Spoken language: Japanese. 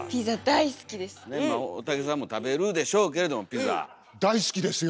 大竹さんも食べるでしょうけれどもピザ。